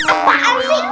enggak jangan beresik